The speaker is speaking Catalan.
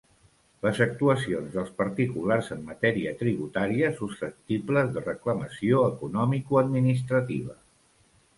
Les actuacions dels particulars en matèria tributària susceptibles de reclamació economicoadministrativa.